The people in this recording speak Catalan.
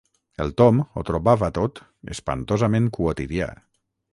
El Tom ho trobava tot espantosament quotidià.